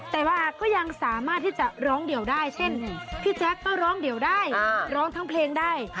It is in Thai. แต่ว่าก็ยังสามารถที่จะร้องเดี่ยวได้เช่นพี่แจ๊คก็ร้องเดี่ยวได้ร้องทั้งเพลงได้